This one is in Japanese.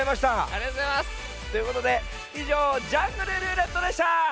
ありがとうございます！ということでいじょう「ジャングルるーれっと」でした！